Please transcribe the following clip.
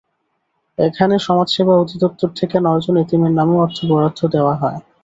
এখানে সমাজসেবা অধিদপ্তর থেকে নয়জন এতিমের নামে অর্থ বরাদ্দ দেওয়া হয়।